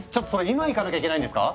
今行かなきゃいけないんですか？